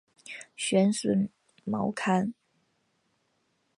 玄孙毛堪。